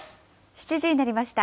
７時になりました。